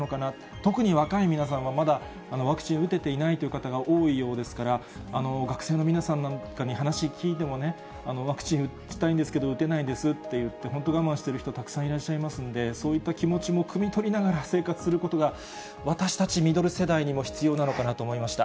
特に若い皆さんは、まだワクチン打てていないという方が多いようですから、学生の皆さんなんかに話聞いてもね、ワクチン打ちたいんですけど、打てないですと言って、本当、我慢してる人たくさんいらっしゃいますんで、そういった気持ちもくみ取りながら生活することが、私たちミドル世代にも必要なのかなと思いました。